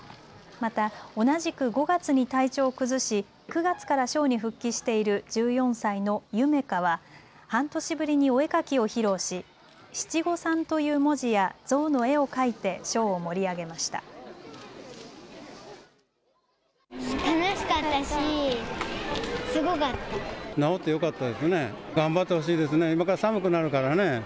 また、同じく５月に体調を崩し９月からショーに復帰している１４歳のゆめ花は半年ぶりにお絵描きを披露し、七五三という文字やゾウの絵を描いてショーを盛り上げました。